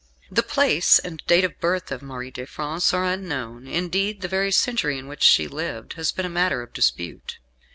The place and date of birth of Marie de France are unknown indeed the very century in which she lived has been a matter of dispute.